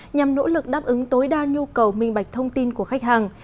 nhằm nỗ lực đáp ứng tối đa nhu cầu minh bạch thông tin của khách hàng